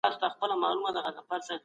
د طویل مدت پالیسي د ودي لپاره مهمه ده.